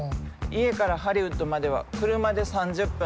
家からハリウッドまでは車で３０分。